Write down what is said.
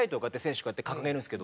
こうやって掲げるんですけど。